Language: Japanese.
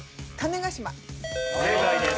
正解です。